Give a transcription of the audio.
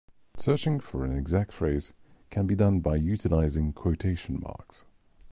Searching for an exact phrase can be done by utilizing quotation marks.